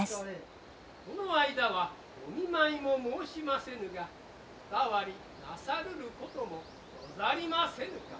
この間はお見舞いも申しませぬがお変わりなさるることもござりませぬか。